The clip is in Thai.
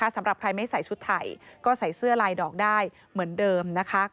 สำหรับใครไม่ใส่ชุดไทยก็ใส่เสื้อลายดอกได้เหมือนเดิมนะคะ